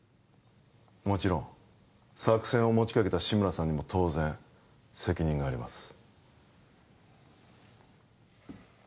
もちろん作戦をもちかけた志村さんにも当然責任があります